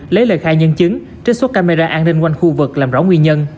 lấy lời khai nhân chứng trích xuất camera an ninh quanh khu vực làm rõ nguyên nhân